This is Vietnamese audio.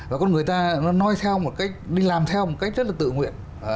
và con người ta nó nói theo một cách đi làm theo một cách rất là tự nguyện